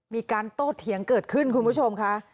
มีการโต้เถียงเกิดขึ้นคุณผู้ชมค่ะ